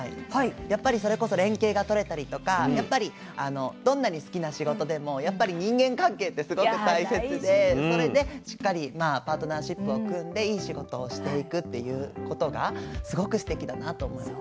やっぱりそれこそ連携が取れたりとかやっぱりどんなに好きな仕事でもやっぱり人間関係ってすごく大切でそれでしっかりまあパートナーシップを組んでいい仕事をしていくっていうことがすごくすてきだなと思いました。